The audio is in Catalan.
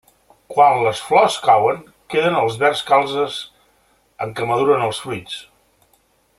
Quan les flors cauen queden els verds calzes en què maduren els fruits.